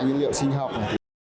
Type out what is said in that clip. nhân liệu sinh học